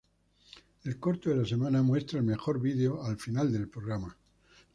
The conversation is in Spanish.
El corto de la semana muestra el mejor video al final del programa.